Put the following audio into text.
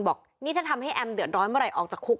บอกนี่ถ้าทำให้แอมเดือดร้อนเมื่อไหร่ออกจากคุก